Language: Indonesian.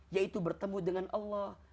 yaitu bertemu dengan allah